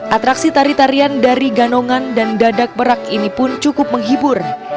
atraksi tari tarian dari ganongan dan dadak perak ini pun cukup menghibur